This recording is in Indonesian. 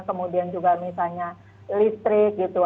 kemudian juga misalnya listrik gitu